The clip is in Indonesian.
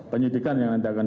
penyidikan yang nanti akan